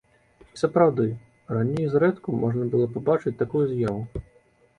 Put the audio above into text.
І сапраўды, раней зрэдку можна было пабачыць такую з'яву.